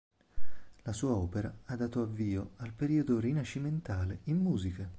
La sua opera ha dato avvio al periodo rinascimentale in musica.